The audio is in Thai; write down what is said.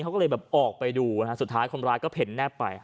เขาก็เลยแบบออกไปดูนะฮะสุดท้ายคนร้ายก็เห็นแนบไป